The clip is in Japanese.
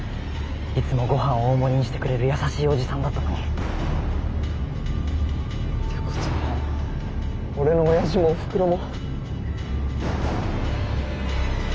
いつもごはん大盛りにしてくれる優しいおじさんだったのに。ってことは俺のおやじもおふくろも。